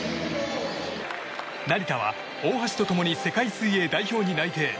成田は大橋と共に世界水泳代表に内定。